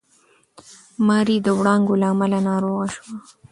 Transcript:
ماري د وړانګو له امله ناروغه شوه.